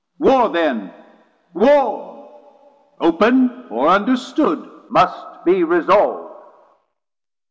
Warr then, Warr Open or understood must be resolv'd.